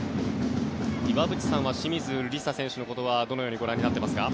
岩渕さんは清水梨紗選手のことはどのようにご覧になっていますか。